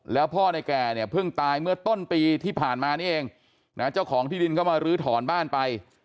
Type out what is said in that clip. แล้วพ่อในแก่เนี่ยเพิ่งตายเมื่อต้นปีที่ผ่านมานี่เองนะเจ้าของที่ดินก็มาลื้อถอนบ้านไป